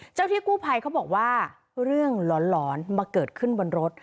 ที่กู้ภัยเขาบอกว่าเรื่องหลอนมาเกิดขึ้นบนรถ